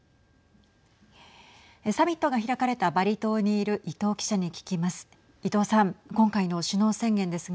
サミットが開かれたバリ島にいる伊藤記者に聞きます。